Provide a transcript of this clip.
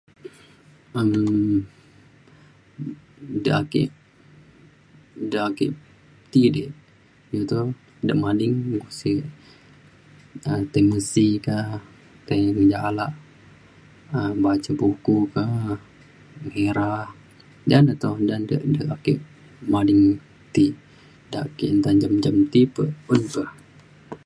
um de' ake de' ake ti dik iu to de' mading ukuk sik um tai mesi ka tai ngejala um baca buku ka ngira ja ne to da ne da' da' ake mading ti da' ake nta encam encam ti pe un pe